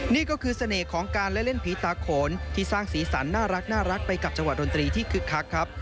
นี่ก็คือเสน่ห์ของการเล่นผีตาโขนที่สร้างสีสันน่ารักไปกับจังหวัดดนตรีที่คึกคักครับ